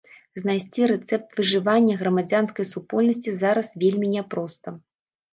Знайсці рэцэпт выжывання грамадзянскай супольнасці зараз вельмі няпроста.